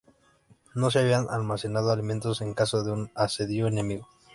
No se habían almacenado alimentos en caso de un asedio enemigo.